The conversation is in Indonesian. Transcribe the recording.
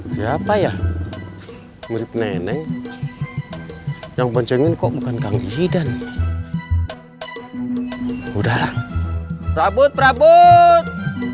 siapa ya meneneng yang panjangin kok bukan kang gidan udara rabut rabut